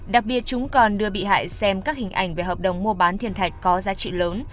đặc biệt chúng còn đưa bị hại xem các hình ảnh về hợp đồng mua bán thiên thạch có giá trị lớn